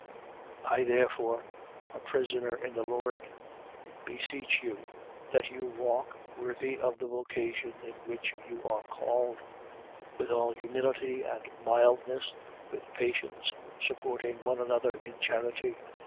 4:1. I therefore, a prisoner in the Lord, beseech you that you walk worthy of the vocation in which you are called: 4:2. With all humility and mildness, with patience, supporting one another in charity.